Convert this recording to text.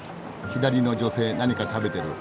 左の女性何か食べてる。